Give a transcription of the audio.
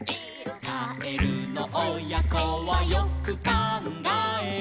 「かえるのおやこはよくかんがえる」